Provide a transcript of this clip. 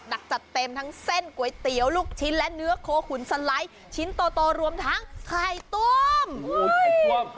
จัดเต็มทั้งเส้นก๋วยเตี๋ยวลูกชิ้นและเนื้อโคขุนสไลด์ชิ้นโตรวมทั้งไข่ต้ม